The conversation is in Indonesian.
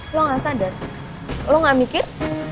lo gak sadar lo gak mikir